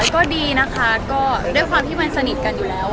ก็ดีนะคะก็ด้วยความที่มันสนิทกันอยู่แล้ว